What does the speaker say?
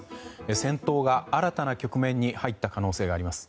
戦闘が新たな局面に入った可能性があります。